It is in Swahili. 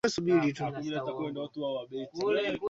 kuwa kunakuwa na hatua kama hizo tofauti labda